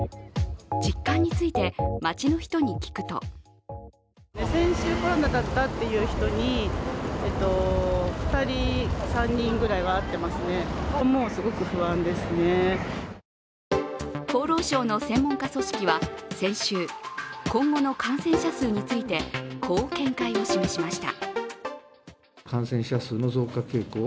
実感について、街の人に聞くと厚労省の専門家組織は先週、今後の感染者数についてこう見解を示しました。